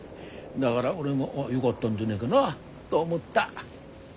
だから俺もよがったんでねえがなと思った。